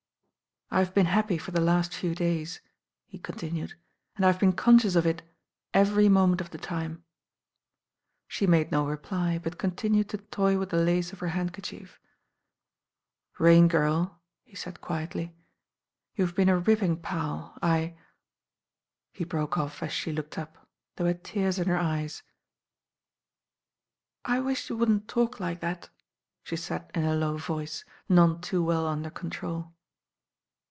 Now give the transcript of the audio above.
"I have been happy for the last few days," he continued, "and I have been conscious of it every moment of the time." THE DANGER UNB tOl She made no reply; but continued to tof with the lice of her handkerchief. "Rain^irl," he said quietly, "you have been t ripping pal, I " he broke off as she looked up. There were tears in her eyes. "I wish you wouldn't talk like that," she said in a low voice, none too well under control.